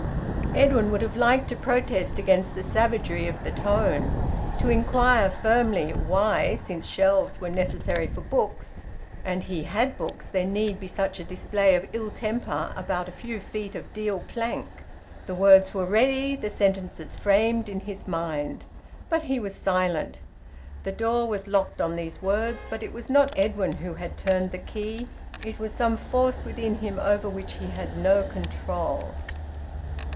Edwin would have liked to protest against the savagery of the tone, to inquire firmly why, since shelves were necessary for books and he had books, there need be such a display of ill temper about a few feet of deal plank. The words were ready, the sentences framed in his mind. But he was silent. The door was locked on these words, but it was not Edwin who had turned the key; it was some force within him, over which he had no control.